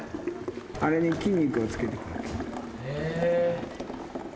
あれに筋肉をつけていく。